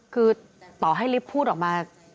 คือต่อให้ลิฟต์พูดออกมา